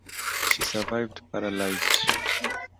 She survived, paralysed.